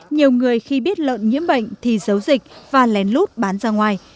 nhiều người khi biết lợn nhiễm bệnh thì giấu dịch và lén lút bán ra ngoài